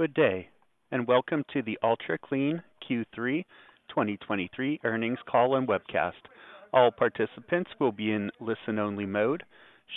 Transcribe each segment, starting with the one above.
Good day, and welcome to the Ultra Clean Q3 2023 earnings call and webcast. All participants will be in listen-only mode.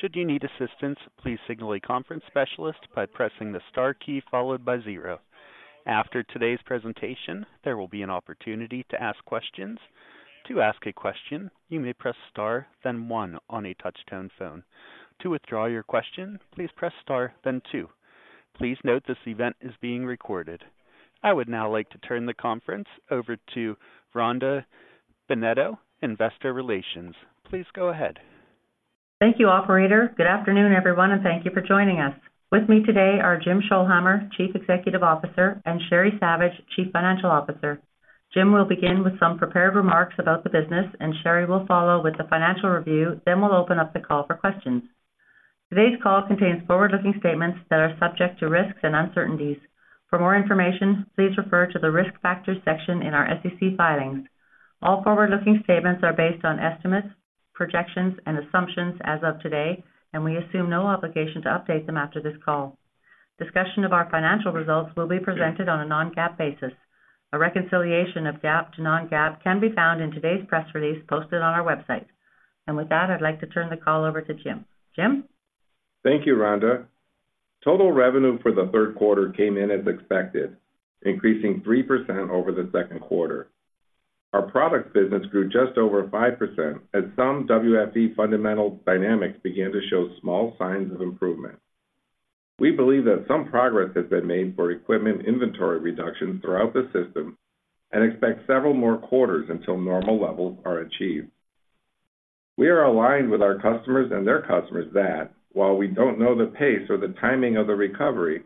Should you need assistance, please signal a conference specialist by pressing the star key followed by zero. After today's presentation, there will be an opportunity to ask questions. To ask a question, you may press star, then one on a touch-tone phone. To withdraw your question, please press star, then two. Please note this event is being recorded. I would now like to turn the conference over to Rhonda Bennetto, Investor Relations. Please go ahead. Thank you, operator. Good afternoon, everyone, and thank you for joining us. With me today are Jim Scholhamer, Chief Executive Officer, and Sheri Savage, Chief Financial Officer. Jim will begin with some prepared remarks about the business, and Sheri will follow with the financial review, then we'll open up the call for questions. Today's call contains forward-looking statements that are subject to risks and uncertainties. For more information, please refer to the Risk Factors section in our SEC filings. All forward-looking statements are based on estimates, projections, and assumptions as of today, and we assume no obligation to update them after this call. Discussion of our financial results will be presented on a non-GAAP basis. A reconciliation of GAAP to non-GAAP can be found in today's press release posted on our website. With that, I'd like to turn the call over to Jim. Jim? Thank you, Rhonda. Total revenue for the third quarter came in as expected, increasing 3% over the second quarter. Our products business grew just over 5%, as some WFE fundamental dynamics began to show small signs of improvement. We believe that some progress has been made for equipment inventory reductions throughout the system and expect several more quarters until normal levels are achieved. We are aligned with our customers and their customers that while we don't know the pace or the timing of the recovery,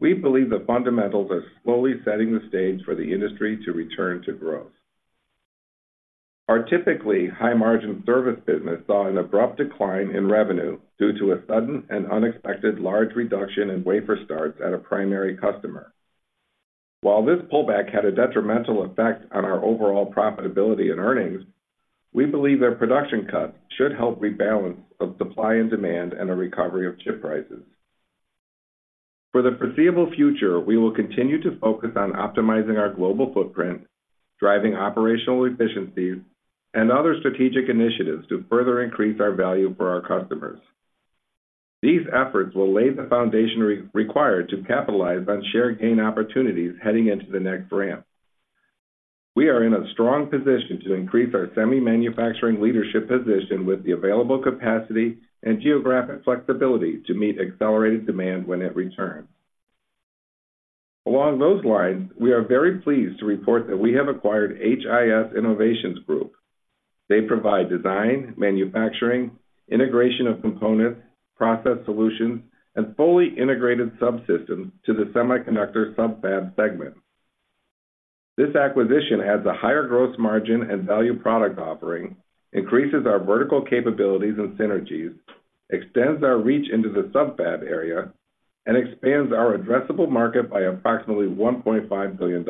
we believe the fundamentals are slowly setting the stage for the industry to return to growth. Our typically high-margin service business saw an abrupt decline in revenue due to a sudden and unexpected large reduction in wafer starts at a primary customer. While this pullback had a detrimental effect on our overall profitability and earnings, we believe their production cut should help rebalance of supply and demand and a recovery of chip prices. For the foreseeable future, we will continue to focus on optimizing our global footprint, driving operational efficiencies, and other strategic initiatives to further increase our value for our customers. These efforts will lay the foundation required to capitalize on share gain opportunities heading into the next ramp. We are in a strong position to increase our semi-manufacturing leadership position with the available capacity and geographic flexibility to meet accelerated demand when it returns. Along those lines, we are very pleased to report that we have acquired HIS Innovations Group. They provide design, manufacturing, integration of components, process solutions, and fully integrated subsystems to the semiconductor sub-fab segment. This acquisition adds a higher gross margin and value product offering, increases our vertical capabilities and synergies, extends our reach into the sub-fab area, and expands our addressable market by approximately $1.5 billion.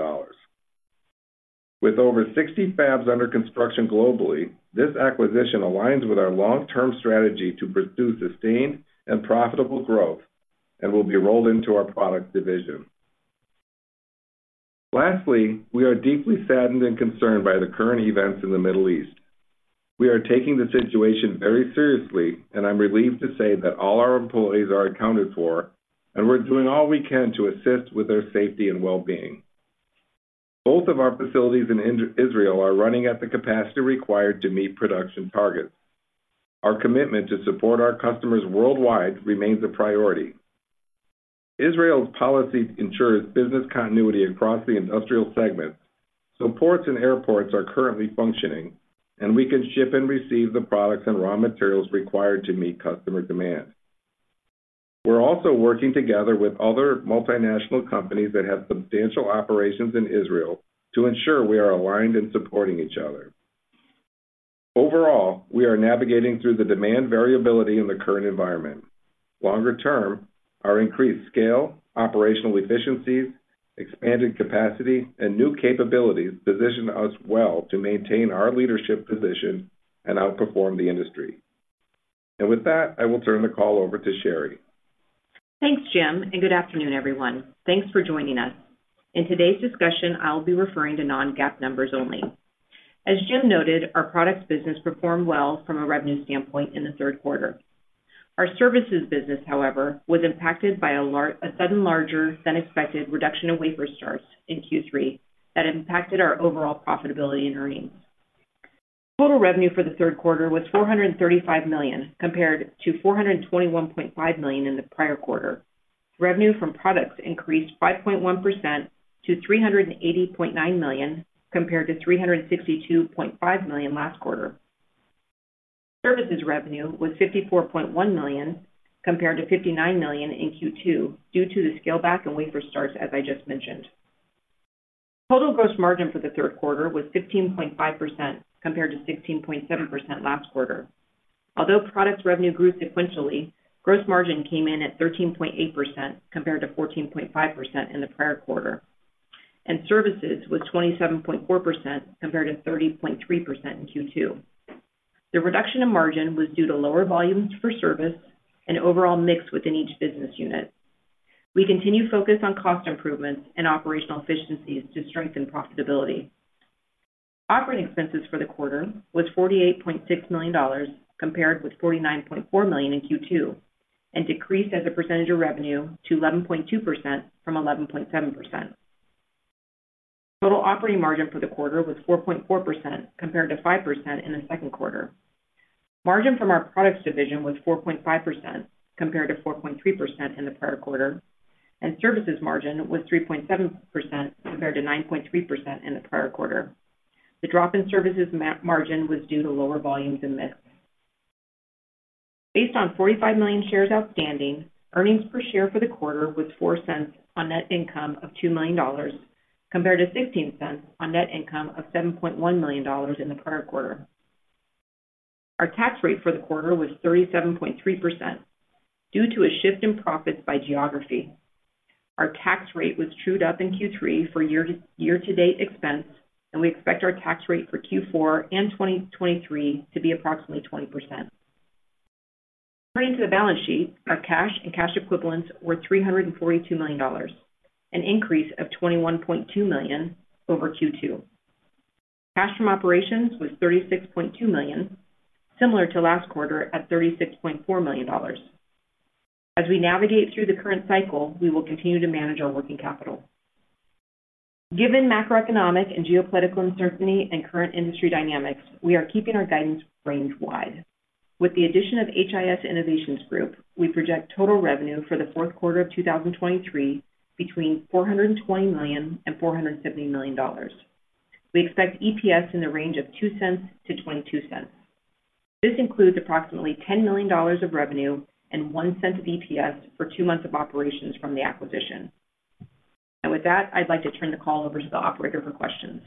With over 60 fabs under construction globally, this acquisition aligns with our long-term strategy to pursue sustained and profitable growth and will be rolled into our product division. Lastly, we are deeply saddened and concerned by the current events in the Middle East. We are taking the situation very seriously, and I'm relieved to say that all our employees are accounted for, and we're doing all we can to assist with their safety and well-being. Both of our facilities in Israel are running at the capacity required to meet production targets. Our commitment to support our customers worldwide remains a priority. Israel's policy ensures business continuity across the industrial segment, so ports and airports are currently functioning, and we can ship and receive the products and raw materials required to meet customer demand. We're also working together with other multinational companies that have substantial operations in Israel to ensure we are aligned in supporting each other. Overall, we are navigating through the demand variability in the current environment. Longer term, our increased scale, operational efficiencies, expanded capacity, and new capabilities position us well to maintain our leadership position and outperform the industry. With that, I will turn the call over to Sheri. Thanks, Jim, and good afternoon, everyone. Thanks for joining us. In today's discussion, I'll be referring to non-GAAP numbers only. As Jim noted, our products business performed well from a revenue standpoint in the third quarter. Our services business, however, was impacted by a sudden, larger than expected reduction in wafer starts in Q3 that impacted our overall profitability and earnings. Total revenue for the third quarter was $435 million, compared to $421.5 million in the prior quarter. Revenue from products increased 5.1% to $380.9 million, compared to $362.5 million last quarter. Services revenue was $54.1 million, compared to $59 million in Q2, due to the scale back in wafer starts, as I just mentioned. Total gross margin for the third quarter was 15.5%, compared to 16.7% last quarter. Although products revenue grew sequentially, gross margin came in at 13.8%, compared to 14.5% in the prior quarter, and services was 27.4%, compared to 30.3% in Q2. The reduction in margin was due to lower volumes per service and overall mix within each business unit. We continue focus on cost improvements and operational efficiencies to strengthen profitability. Operating expenses for the quarter was $48.6 million, compared with $49.4 million in Q2, and decreased as a percentage of revenue to 11.2% from 11.7%. Total operating margin for the quarter was 4.4%, compared to 5% in the second quarter. Margin from our products division was 4.5%, compared to 4.3% in the prior quarter, and services margin was 3.7%, compared to 9.3% in the prior quarter. The drop in services margin was due to lower volumes and mix. Based on 45 million shares outstanding, earnings per share for the quarter was $0.04 on net income of $2 million, compared to $0.16 on net income of $7.1 million in the prior quarter. Our tax rate for the quarter was 37.3% due to a shift in profits by geography. Our tax rate was trued up in Q3 for year-to-date expense, and we expect our tax rate for Q4 and 2023 to be approximately 20%. Turning to the balance sheet, our cash and cash equivalents were $342 million, an increase of $21.2 million over Q2. Cash from operations was $36.2 million, similar to last quarter at $36.4 million. As we navigate through the current cycle, we will continue to manage our working capital. Given macroeconomic and geopolitical uncertainty and current industry dynamics, we are keeping our guidance range wide. With the addition of HIS Innovations Group, we project total revenue for the fourth quarter of 2023 between $420 million and $470 million. We expect EPS in the range of $0.02-$0.22. This includes approximately $10 million of revenue and $0.01 of EPS for two months of operations from the acquisition. With that, I'd like to turn the call over to the operator for questions.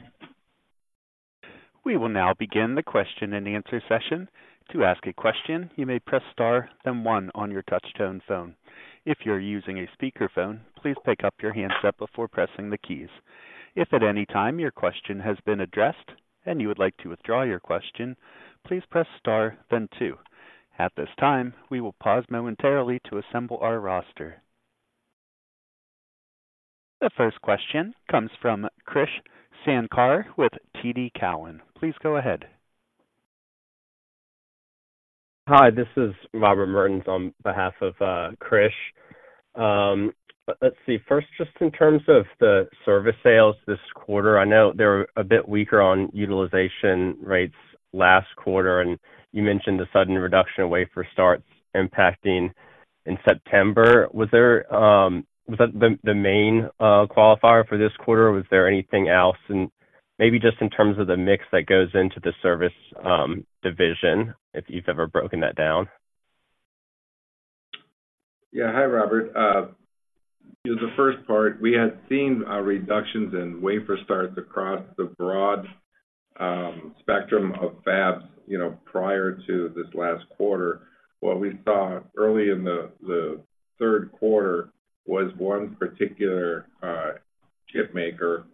We will now begin the question-and-answer session. To ask a question, you may press Star, then one on your touch-tone phone. If you're using a speakerphone, please pick up your handset before pressing the keys. If at any time your question has been addressed and you would like to withdraw your question, please press star, then two. At this time, we will pause momentarily to assemble our roster. The first question comes from Krish Sankar with TD Cowen. Please go ahead. Hi, this is Robert Mertens on behalf of Krish. Let's see, first, just in terms of the service sales this quarter, I know they were a bit weaker on utilization rates last quarter, and you mentioned the sudden reduction in wafer starts impacting in September. Was that the main qualifier for this quarter, or was there anything else? And maybe just in terms of the mix that goes into the service division, if you've ever broken that down. Yeah. Hi, Robert. The first part, we had seen reductions in wafer starts across the broad spectrum of fabs, you know, prior to this last quarter. What we saw early in the third quarter was one particular chip maker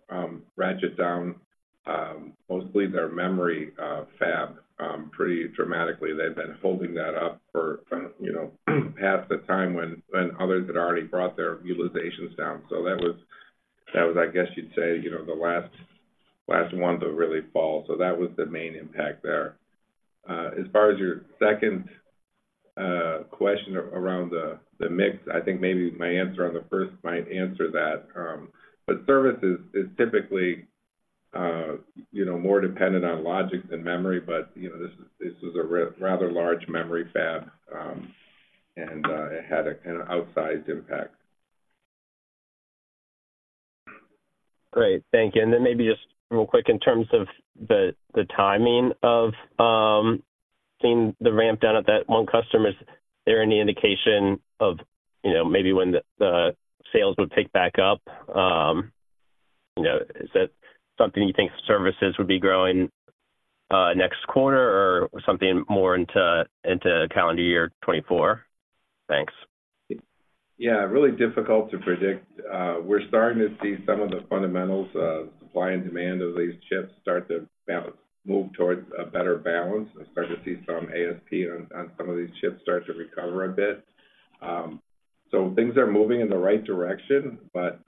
ratchet down, mostly their memory fab, pretty dramatically. They've been holding that up for, you know, half the time when others had already brought their utilizations down. So that was, I guess you'd say, you know, the last one to really fall. So that was the main impact there. As far as your second question around the mix, I think maybe my answer on the first might answer that. But services is typically, you know, more dependent on logic than memory, but, you know, this is a rather large memory fab, and it had a kind of outsized impact. Great. Thank you. And then maybe just real quick in terms of the timing of seeing the ramp down at that one customer. Is there any indication of, you know, maybe when the sales would pick back up? You know, is that something you think services would be growing next quarter or something more into calendar year 2024? Thanks. Yeah, really difficult to predict. We're starting to see some of the fundamentals of supply and demand of these chips start to move towards a better balance. We're starting to see some ASP on, on some of these chips start to recover a bit. So things are moving in the right direction, but,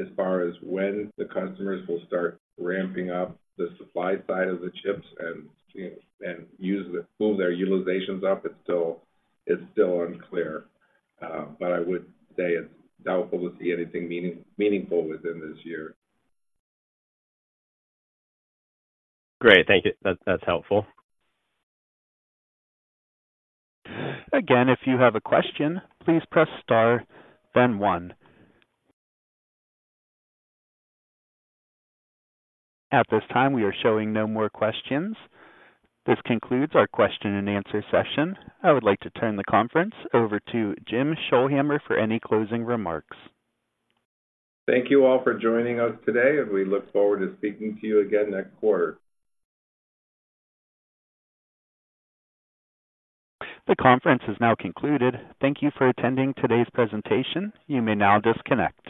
as far as when the customers will start ramping up the supply side of the chips and, you know, and pull their utilizations up, it's still, it's still unclear. But I would say it's doubtful to see anything meaningful within this year. Great. Thank you. That, that's helpful. Again, if you have a question, please press star then one. At this time, we are showing no more questions. This concludes our question and answer session. I would like to turn the conference over to Jim Scholhamer for any closing remarks. Thank you all for joining us today, and we look forward to speaking to you again next quarter. The conference is now concluded. Thank you for attending today's presentation. You may now disconnect.